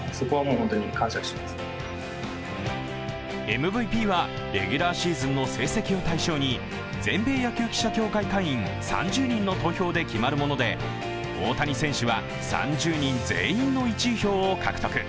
ＭＶＰはレギュラーシーズンの成績を対象に全米野球記者協会会員３０人の投票で決まるもので大谷選手は３０人全員の１位票を獲得。